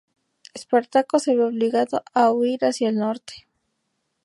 Espartaco se ve obligado a huir hacia el norte.